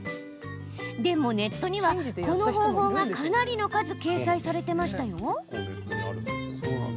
でもネットには、この方法がかなりの数、掲載されてましたよ。